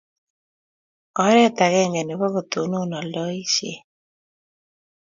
oret agenge nebo ketonon aldaishet